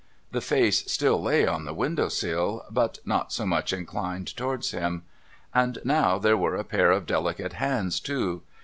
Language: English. The face still lay on the window sill, but not so much inclined towards him. And now there were a pair of delicate hands too.